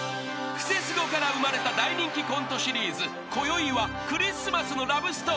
［『クセスゴ』から生まれた大人気コントシリーズ］［こよいはクリスマスのラブストーリー］